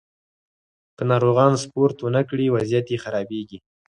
که ناروغان سپورت ونه کړي، وضعیت یې خرابېږي.